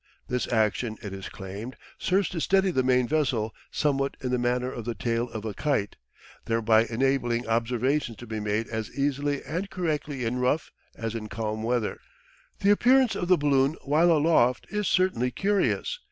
This action, it is claimed, serves to steady the main vessel, somewhat in the manner of the tail of a kite, thereby enabling observations to be made as easily and correctly in rough as in calm weather. The appearance of the balloon while aloft is certainly curious.